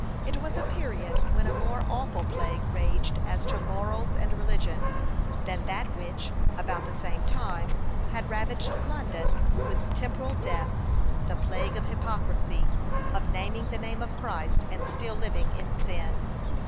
p. 529. It was a period when a more awful plague raged as to morals and religion, than that which, about the same time, had ravaged London with temporal death the plague of hypocrisy of naming the name of Christ, and still living in sin.